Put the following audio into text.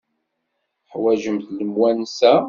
Teḥwajemt lemwansa?